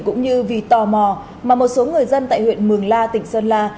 cũng như vì tò mò mà một số người dân tại huyện mường la tỉnh sơn la